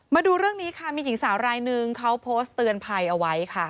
มาดูเรื่องนี้ค่ะมีหญิงสาวรายนึงเขาโพสต์เตือนภัยเอาไว้ค่ะ